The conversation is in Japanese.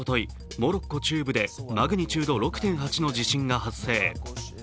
モロッコ中部でマグニチュード６．８の地震が発生。